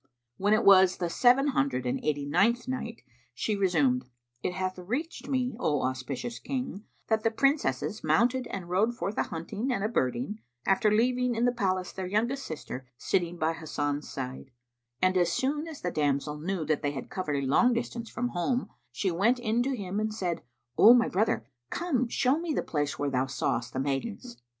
When it was the Seven Hundred and Eighty ninth Night, She resumed, It hath reached me, O auspicious King, that the Princesses mounted and rode forth a hunting and a birding, after leaving in the palace their youngest sister sitting by Hasan's side; and as soon as the damsel knew that they had covered a long distance from home, she went in to him and said, "O my brother, come, show me the place where thou sawest the maidens."